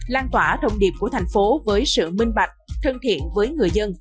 lan tỏa thông điệp của tp với sự minh bạch thân thiện với người dân